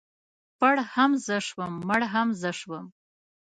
پړ هم زه شوم مړ هم زه شوم.